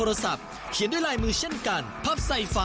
และธวุธชะลอธรรมนิษฐ์